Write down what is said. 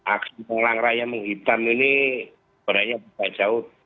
aksi malang raya menghitam ini beraninya berjauh